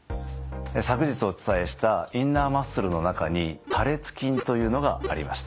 昨日お伝えしたインナーマッスルの中に多裂筋というのがありました。